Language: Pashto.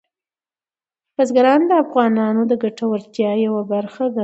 بزګان د افغانانو د ګټورتیا یوه برخه ده.